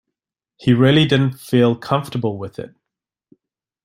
He really didn't feel comfortable with it.